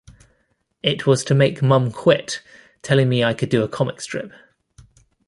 It was to make Mom quit telling me I could do a comic strip.